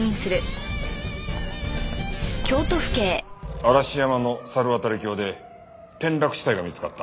嵐山の猿渡峡で転落死体が見つかった。